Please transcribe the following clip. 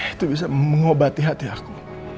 itu bisa mengobati hati aku